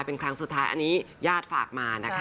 เป็นครั้งสุดท้ายอันนี้ญาติฝากมานะคะ